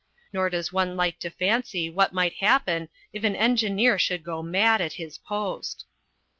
Nor does one like to fancy what might happen if an engineer should go mad at his post.